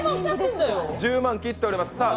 １０万切っております。